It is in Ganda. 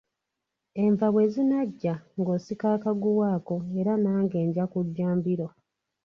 Enva bwe zinaggya ng'osika akaguwa ako era nange nja kujja mbiro.